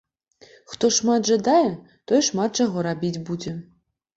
Хто шмат жадае, той шмат чаго рабіць будзе.